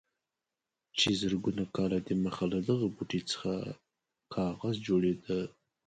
چې زرګونه کاله دمخه له دغه بوټي څخه کاغذ جوړېده.